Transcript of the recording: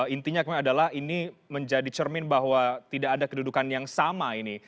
intinya adalah ini menjadi cermin bahwa tidak ada kedudukan yang sama ini